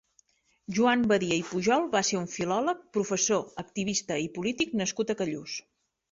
Joan Badia i Pujol va ser un filòleg, professor, activista i polític nascut a Callús.